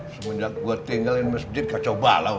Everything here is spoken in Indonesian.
semenjak gue tinggalin masjid kacau balau